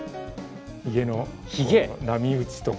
ひげの波打ちとか。